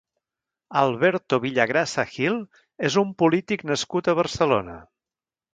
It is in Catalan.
Alberto Villagrasa Gil és un polític nascut a Barcelona.